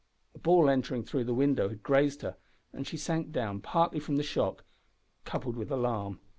A ball entering through the window had grazed her, and she sank down, partly from the shock, coupled with alarm.